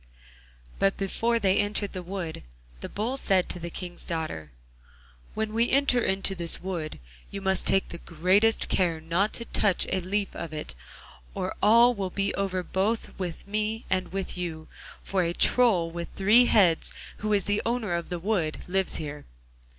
But before they entered the wood the Bull said to the King's daughter: 'When we enter into this wood, you must take the greatest care not to touch a leaf of it, or all will be over both with me and with you, for a Troll with three heads, who is the owner of the wood, lives here.